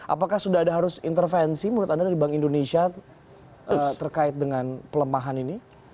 apakah sudah ada harus intervensi menurut anda dari bank indonesia terkait dengan pelemahan ini